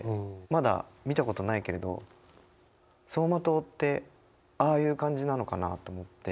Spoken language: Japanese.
まだ見たことないけれど走馬灯ってああいう感じなのかなと思って。